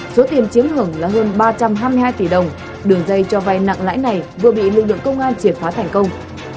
số tiền chiếm hưởng là hơn ba trăm hai mươi hai tỷ đồng đường dây cho vay nặng lãi này vừa bị lực lượng công an triệt phá thành công